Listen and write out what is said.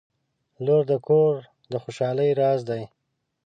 • لور د کور د خوشحالۍ راز دی.